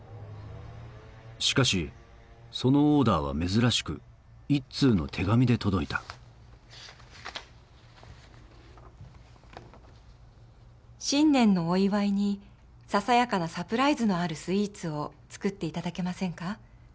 しかしそのオーダーは珍しく１通の手紙で届いた「新年のお祝いにささやかなサプライズのあるスイーツを作っていただけませんか？